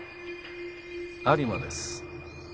有馬です。